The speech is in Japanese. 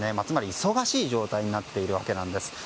つまり忙しい状態になっているわけなんです。